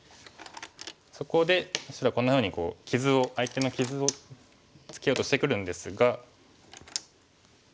そこで白こんなふうに傷を相手の傷をつけようとしてくるんですが。